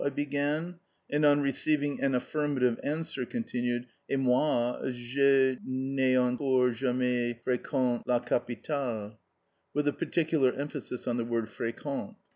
I began, and, on receiving an affirmative answer, continued. "Et moi, je n'ai encore jamais frequente la capitale" (with a particular emphasis on the word "frequente").